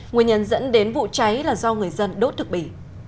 nguyên nhân dẫn đến vụ cháy là do người dân đốt thực bì